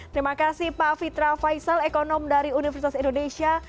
terima kasih pak fitra faisal ekonom dari universitas indonesia